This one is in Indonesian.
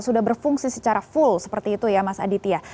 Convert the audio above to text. sudah berfungsi secara full seperti itu ya mas aditya